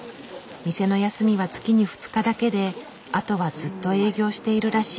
店の休みは月に２日だけであとはずっと営業しているらしい。